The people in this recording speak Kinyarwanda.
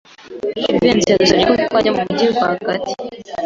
Jivency yadusabye ko twajya mu mujyi rwagati.